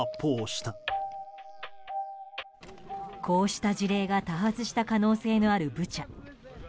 こうした事例が多発した可能性のあるブチャ。